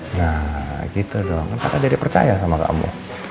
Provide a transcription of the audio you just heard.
nah gitu dong kan kakak jadi percaya sama kamu